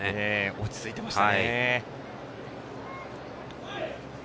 落ち着いていましたね。